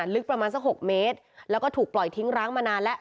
ลึกประมาณสัก๖เมตรแล้วก็ถูกปล่อยทิ้งร้างมานานแล้ว